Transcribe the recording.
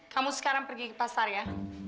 kamu sekarang pergi ke pasar ya